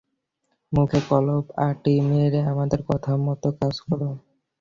মুখে কলপ আঁটি মেরে আমাদের কথা মতো কাজ কর।